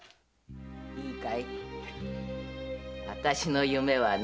いいかいあたしの夢はね